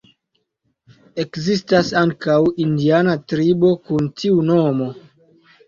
Ekzistas ankaŭ indiana tribo kun tiu nomo.